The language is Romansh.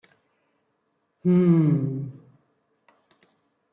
Mhm.